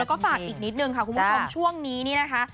แล้วก็ฝากอีกนิดนึงค่ะคุณผู้ชมช่วงนี้นี่นะคะ